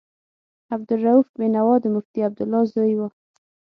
عبدالرؤف بېنوا د مفتي عبدالله زوی و.